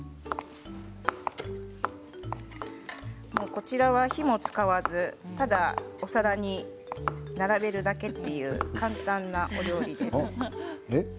こちらは火も使わずただ、お皿に並べるだけという簡単なお料理です。